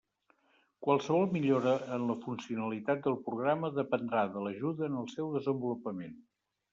Qualsevol millora en la funcionalitat del programa dependrà de l'ajuda en el seu desenvolupament.